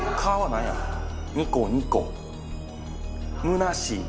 むなしい？